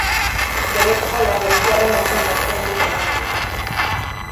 Bere eskola, greziarren artean ospe handikoa izan zen.